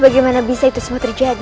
bagaimana bisa itu semua terjadi